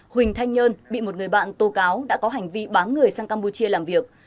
huỳnh thanh nhơn bị một người bạn tô cáo đã có hành vi bán người sang campuchia làm việc